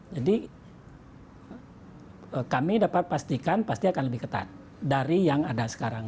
jadi kami dapat pastikan pasti akan lebih ketat dari yang ada sekarang